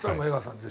ぜひ。